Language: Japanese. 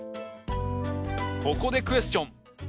ここでクエスチョン。